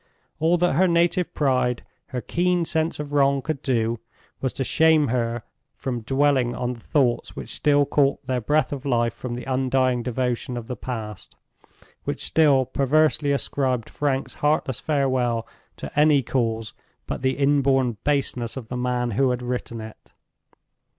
All that her native pride, her keen sense of wrong could do, was to shame her from dwelling on the thoughts which still caught their breath of life from the undying devotion of the past; which still perversely ascribed Frank's heartless farewell to any cause but the inborn baseness of the man who had written it.